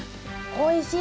おいしい。